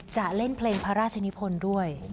จะเล่นเพลงพระราชนิพลด้วย